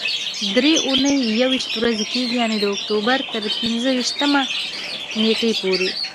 درې اونۍ یويشت ورځې کېږي، یعنې د اکتوبر تر پنځه ویشتمې نېټې پورې.